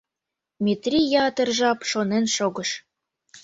Метрий ятыр жап шонен шогыш.